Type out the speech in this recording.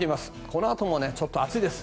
このあともちょっと暑いです。